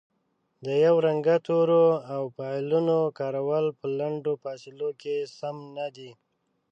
د یو رنګه تورو او فعلونو کارول په لنډو فاصلو کې سم نه دي